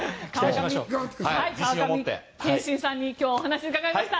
川上憲伸さんに今日はお話を伺いました。